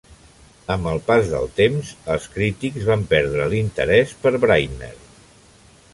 Amb el pas del temps, els crítics van perdre l'interès per Breitner.